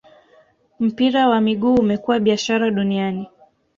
mpira wa miguu umekuwa biashara duaniani